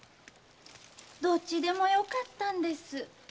どっちでもよかったんです。